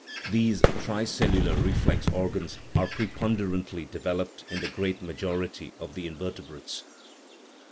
These tri cellular reflex organs are preponderantly developed in the great majority of the invertebrates.